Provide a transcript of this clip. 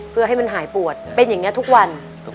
เพื่อให้มันหายปวดเป็นอย่างนี้ทุกวัน